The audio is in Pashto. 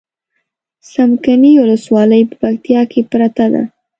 څمکنيو ولسوالي په پکتيا کې پرته ده